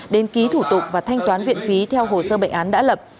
đến ký thủ tục và thanh toán viện phí theo hồ sơ bệnh án đã lập